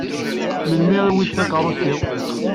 Melmi i wwint takeṛṛust-iw?